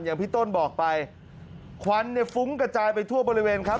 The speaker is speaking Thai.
อย่างพี่ต้นบอกไปควันเนี่ยฟุ้งกระจายไปทั่วบริเวณครับ